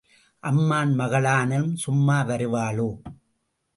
அம்மான் மகளானாலும் சும்மா வருவாளோ?